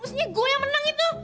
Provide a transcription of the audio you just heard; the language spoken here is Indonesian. maksudnya gue yang menang itu